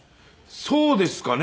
そうですかね。